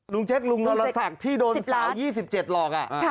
ลุงเจ๊กลุงรรษักษ์ที่โดนสาว๒๗หลอก